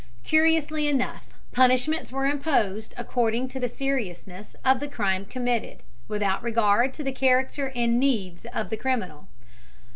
Curiously enough, punishments were imposed according to the seriousness of the crime committed, without regard to the character and needs of the criminal.